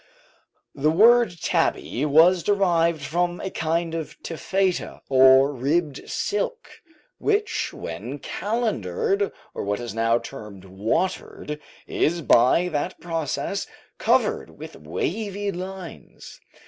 ] The word tabby was derived from a kind of taffeta, or ribbed silk, which when calendered or what is now termed "watered," is by that process covered with wavy lines.